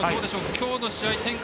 今日の試合展開